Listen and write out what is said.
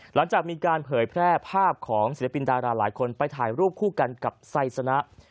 หลังจากมีการเผยแพร่ภาพของศิลปินดาราหลายคนไปถ่ายรูปคู่กันกับไซสนะ